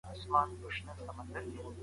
بد نوم ژر نه هېرېږي